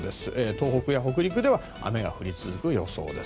東北や北陸では雨が降り続く予想です。